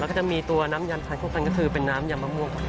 แล้วก็จะมีตัวน้ำยำทานคู่กันก็คือเป็นน้ำยำมะม่วง